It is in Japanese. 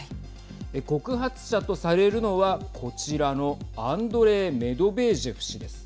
告発者とされるのはこちらのアンドレイ・メドベージェフ氏です。